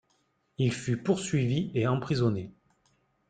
Il fut poursuivi et emprisonné.